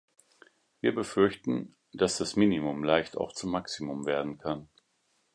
Wir befürchten, dass das Minimum leicht auch zum Maximum werden kann.